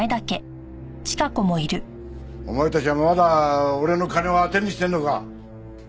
お前たちはまだ俺の金を当てにしてるのか。